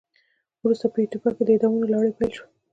ورسته په ایتوپیا کې د اعدامونو لړۍ پیل شوه.